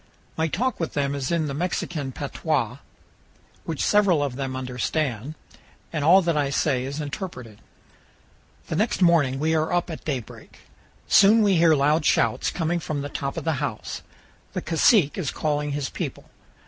My talk with them is in the Mexican patois, which several of them understand, and all that I say is interpreted. The next morning we are up at daybreak. Soon we hear loud shouts coming from the top of the house. The cacique is calling his people.